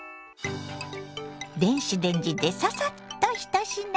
電子レンジでササッと１品。